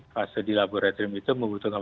fase di laboratorium itu membutuhkan